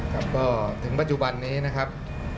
ครับก็ถึงปัจจุบันนี้นะครับ